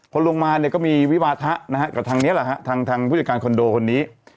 พอลงมาก็มีวิบาทะนะครับกับทางพยายามการคอนโดคนนี้